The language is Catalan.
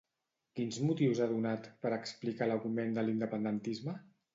Quins motius ha donat per explicar l'augment de l'independentisme?